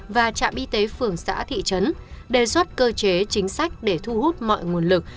và trạm y tế phường xã thị trấn đề xuất cơ chế chính sách để thu hút mọi nguồn lực